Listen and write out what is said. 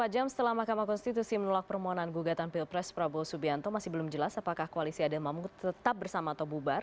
empat jam setelah mahkamah konstitusi menolak permohonan gugatan pilpres prabowo subianto masih belum jelas apakah koalisi adil mamuk tetap bersama atau bubar